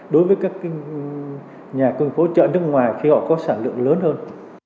đối với các nhà công nghiệp hỗ trợ nước ngoài khi họ có sản lượng lớn hơn